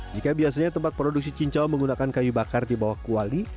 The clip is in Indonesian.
jika biasanya tempat produksi cincau menggunakan kayu bakar di bawah kuali